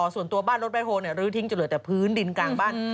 ส่วนตัวบ้านรถแคคโฮลื้อทิ้งจะเหลือแต่พื้นดินกลางบ้าน